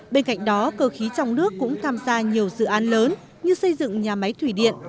bên cạnh đó cơ khí trong nước cũng tham gia nhiều dự án lớn như xây dựng nhà máy thủy điện